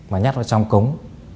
và nhắt vào trong cống